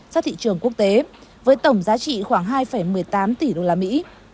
ra thị trường quốc tế với tổng giá trị khoảng hai một mươi tám tỷ đô la mỹ